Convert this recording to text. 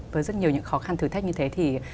với rất nhiều những khó khăn thử thách như thế thì